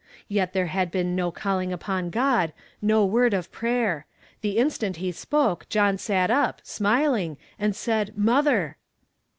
Vet tlu're had heen no eallinii^ upon (Jod, no word of I)rayer. 'I'he instant lie spoive, John sat up, smil ing, and said, ' Motlier.'